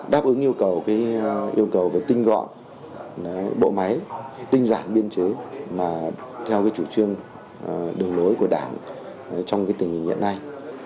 đáp ứng yêu cầu về tinh gọn bộ máy tinh giản biên chứ theo chủ trương đường lối của đảng trong tình hình hiện nay